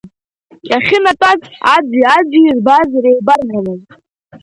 Иахьынатәаз аӡәи-аӡәи ирбаз реибарҳәомызт.